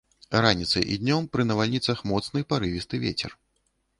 Раніцай і днём пры навальніцах моцны парывісты вецер.